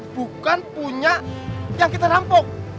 bukan punya yang kita rampok